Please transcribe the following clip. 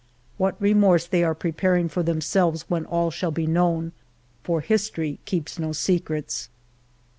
What remorse they are preparing for themselves when all shall be known, for history keeps no secrets